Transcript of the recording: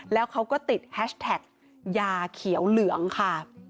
แล้วเขาก็ติดแฮชแท็กยาเขียวเหลืองค่ะ